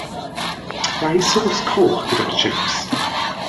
Ga i sôs coch gyda fy tsips?